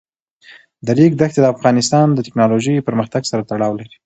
د ریګ دښتې د افغانستان د تکنالوژۍ پرمختګ سره تړاو لري.